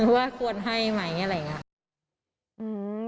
ว่าควรให้ไหมอย่างนี้เลย